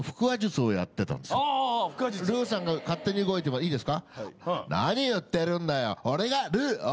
ルーさんが勝手に動いていいですか？